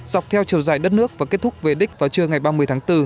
dọc theo chiều dài đất nước và kết thúc về đích vào trưa ngày ba mươi tháng bốn